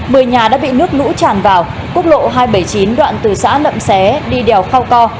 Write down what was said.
mờ nhà đã bị nước lũ tràn vào quốc lộ hai trăm bảy mươi chín đoạn từ xã nậm xé đi đèo khao co